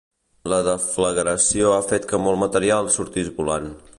La deflagració ha fet que molt material sortís volant.